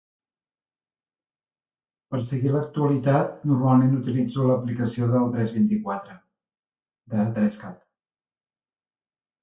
Per seguir l'actualitat, normalment utilitzo l'aplicació del 324. De 3cat.